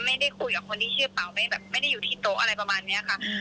ไม่ได้อยู่ที่โต๊ะอะไรประมาณนี้ค่ะ